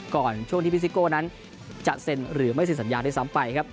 ก่อนช่วงที่พี่ซิโก้นั้นจะเซ็นหรือไม่เซ็นสัญญาด้วยซ้ำไปครับ